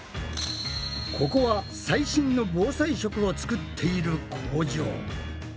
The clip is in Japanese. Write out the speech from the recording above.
ここは最新の防災食を作っている工場。